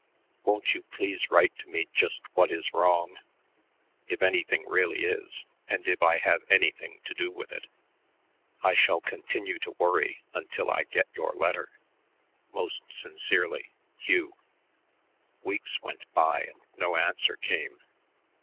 Won't you please write to me just what is wrong if anything really is and if I have anything to do with it. I shall continue to worry until I get your letter. Most sincerely, HUGH. Weeks went by and no answer came.